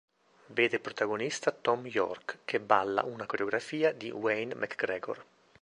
Vede protagonista Thom Yorke che balla una coreografia di Wayne McGregor.